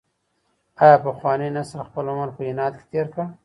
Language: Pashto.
ایا پخواني نسل خپل عمر په عناد کي تېر کړ؟